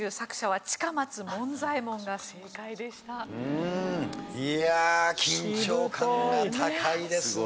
うーんいやあ緊張感が高いですね。